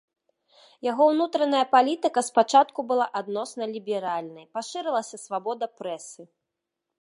Яго ўнутраная палітыка спачатку была адносна ліберальнай, пашырылася свабода прэсы.